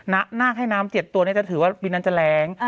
นาคให้น้ำ๗ตัวจะถือว่าบินนั้นจะแรง